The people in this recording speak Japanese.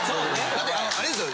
だってあれですよ。